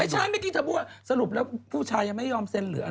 สมมุติแล้วเพื่อนไม่ยอมการเสร็จ